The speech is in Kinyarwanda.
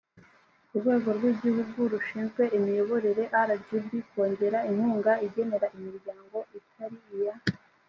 urwego rw igihugu rushinzwe imiyoborere rgb kongera inkunga igenera imiryango itari iya